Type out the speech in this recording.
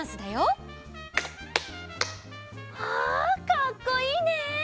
かっこいいね！